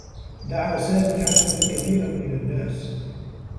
دعى سامي عددا كبيرا من النّاس.